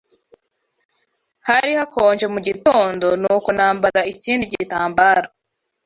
Hari hakonje mugitondo, nuko nambara ikindi gitambaro